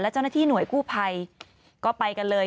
เจ้าหน้าที่หน่วยกู้ภัยก็ไปกันเลย